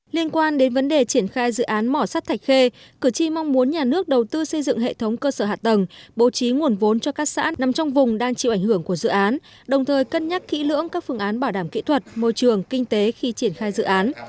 liên quan đến vấn đề triển khai dự án mỏ sắt thạch khê cử tri mong muốn nhà nước đầu tư xây dựng hệ thống cơ sở hạ tầng bố trí nguồn vốn cho các xã nằm trong vùng đang chịu ảnh hưởng của dự án đồng thời cân nhắc kỹ lưỡng các phương án bảo đảm kỹ thuật môi trường kinh tế khi triển khai dự án